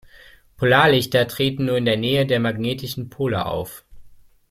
Polarlichter treten nur in der Nähe der magnetischen Pole auf.